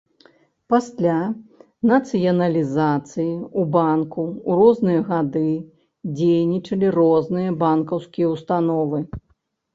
Пасля нацыяналізацыі ў банку ў розныя гады дзейнічалі розныя банкаўскія ўстановы.